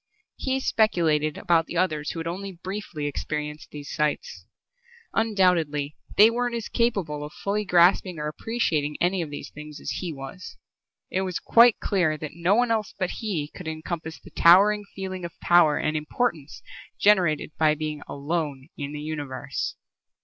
He speculated about the others who had only briefly experienced these sights. Undoubtedly they weren't as capable of fully grasping or appreciating any of these things as he was. It was quite clear that no one else but he could encompass the towering feeling of power and importance generated by being alone in the Universe.